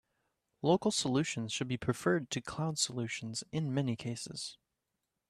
Local solutions should be preferred to cloud solutions in many cases.